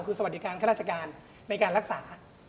คือสวัสดิการข้าราชการในการรักษา